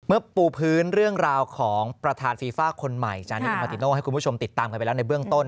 ปูพื้นเรื่องราวของประธานฟีฟ่าคนใหม่จานิมาติโน่ให้คุณผู้ชมติดตามกันไปแล้วในเบื้องต้น